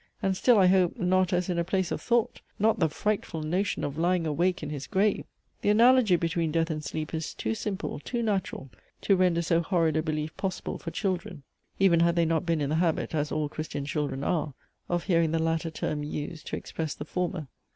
And still, I hope, not as in a place of thought! not the frightful notion of lying awake in his grave! The analogy between death and sleep is too simple, too natural, to render so horrid a belief possible for children; even had they not been in the habit, as all Christian children are, of hearing the latter term used to express the former.